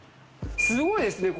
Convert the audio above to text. すごいですね！